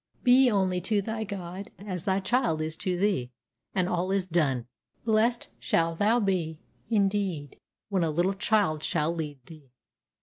Be only to thy God as thy child is to thee, and all is done. Blessed shalt thou be, indeed, "when a little child shall lead thee."